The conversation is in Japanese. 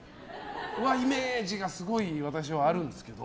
イメージがすごい私はあるんですけど。